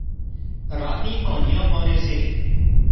راتیں کہانیاں بانے سے